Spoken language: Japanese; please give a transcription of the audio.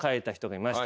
見ました